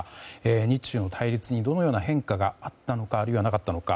日中の対立にどのような変化があったのかあるいはなかったのか。